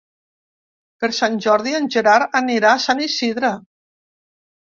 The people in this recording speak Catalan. Per Sant Jordi en Gerard anirà a Sant Isidre.